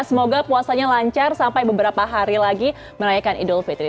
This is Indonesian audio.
semoga puasanya lancar sampai beberapa hari lagi merayakan idul fitri